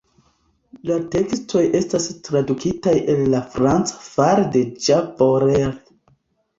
La tekstoj estas tradukitaj el la franca fare de Jean Borel.